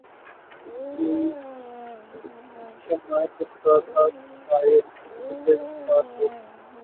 دودِ شمعِ کشتہ تھا شاید خطِ رخسارِ دوست